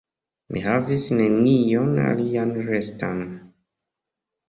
Mi havis nenion alian restan.